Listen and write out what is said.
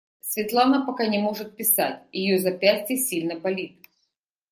Светлана пока не может писать, ее запястье сильно болит.